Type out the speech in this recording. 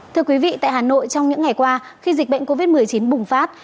thưa quý vị tại hà nội trong những ngày qua khi dịch bệnh covid một mươi chín bùng phát